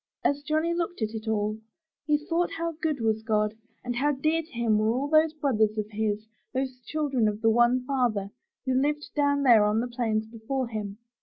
As Johnny looked at it all, he thought how good was God and how dear to him were all those brothers of his, those children of the one Father, who lived down there on the plains before him.